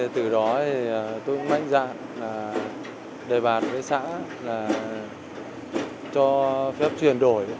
từ đó tôi cũng mạnh dạng đề bạt với xã cho phép chuyển đổi